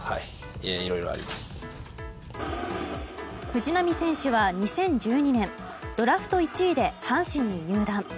藤浪選手は２０１２年ドラフト１位で阪神に入団。